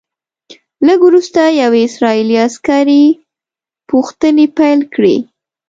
لږ وروسته یوې اسرائیلي عسکرې پوښتنې پیل کړې.